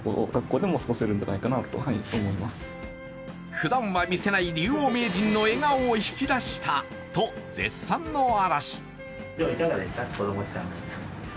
ふだんは見せない竜王名人の笑顔を引き出したと絶讃の嵐。